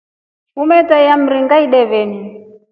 Umemetrairia Mringa ideveni.